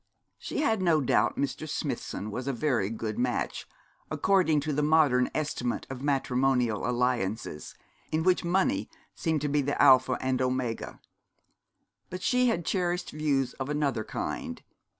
She had no doubt Mr. Smithson was a very good match, according to the modern estimate of matrimonial alliances, in which money seemed to be the Alpha and Omega. But she had cherished views of another kind.